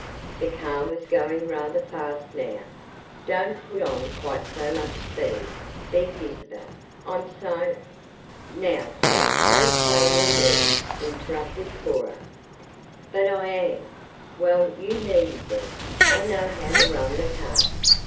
The car was going rather fast now. "Don't put on quite so much speed," begged Isabel. "I'm so " "Now please don't say you're nervous," interrupted Cora. "But I am." "Well, you needn't be. I know how to run the car."